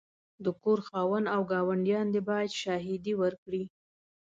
د کور خاوند او ګاونډیان دي باید شاهدې ورکړې.